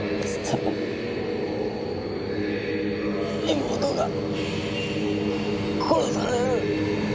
妹が殺される。